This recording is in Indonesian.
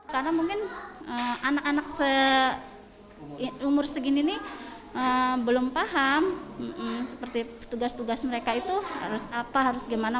karena mungkin anak anak umur segini ini belum paham seperti tugas tugas mereka itu harus apa harus gimana